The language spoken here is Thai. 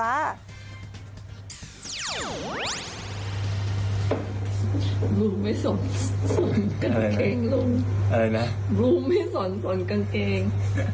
ลุงไม่สนกางเกงลุงอะไรนะลุงไม่สนส่วนกางเกง